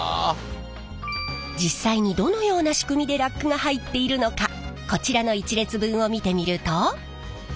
実際にどのような仕組みでラックが入っているのかこちらの１列分を見てみると。